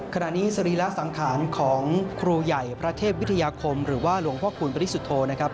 ขณะนี้สรีระสังขารของครูใหญ่พระเทพวิทยาคมหรือว่าหลวงพ่อคูณปริสุทธโธนะครับ